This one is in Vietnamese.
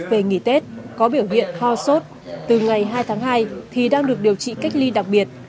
về nghỉ tết có biểu hiện ho sốt từ ngày hai tháng hai thì đang được điều trị cách ly đặc biệt